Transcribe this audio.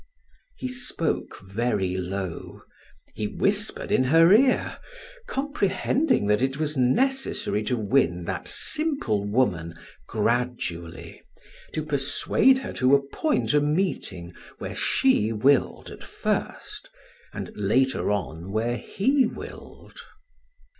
He spoke very low; he whispered in her ear, comprehending that it was necessary to win that simple woman gradually, to persuade her to appoint a meeting where she willed at first, and later on where he willed.